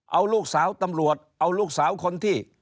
เอาลูกสาวตำรวจเอาลูกสาวคนที่